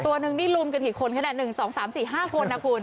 ตัวนึงนี่รุมกันกี่คนคะเนี่ย๑๒๓๔๕คนนะคุณ